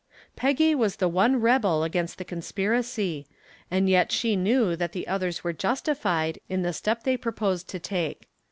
Peggy was the one rebel against the conspiracy, and yet she knew that the others were justified in the step they proposed to take.